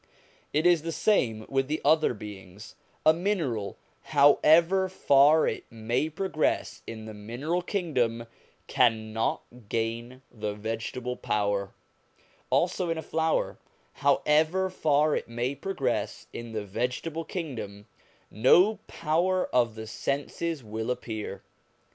It is the same with the other beings : a mineral, however far it may progress in the mineral kingdom, cannot gain the vegetable power ; also in a flower, however far it may progress in the vegetable kingdom, no power of the senses 268 SOME ANSWERED QUESTIONS will appear.